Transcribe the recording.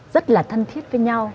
rất là thân thiết với nhau